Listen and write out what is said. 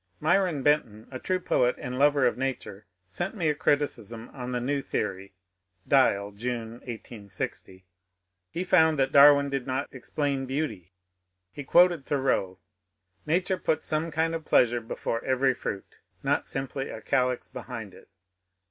Myron Benton, a true poet and lover of nature, sent me a criticism on the new theory (" Dial," June, 1860). He found that Darwin did not explain beauty. He quoted Thoreau: " Nature puts some kind of pleasure before every fruit ; not simply a calyx behind it."